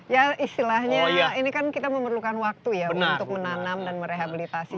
ya istilahnya ini kan kita memerlukan waktu ya untuk menanam dan merehabilitasi